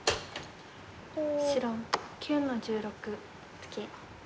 白９の十六ツケ。